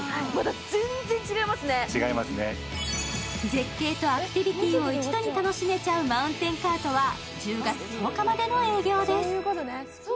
絶景とアクティビティーを一度に楽しめちゃうマウンテンカートは１０月１０日までの営業です。